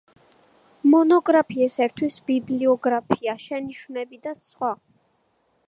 მონოგრაფიას ერთვის ბიბლიოგრაფია, შენიშვნები და სხვა.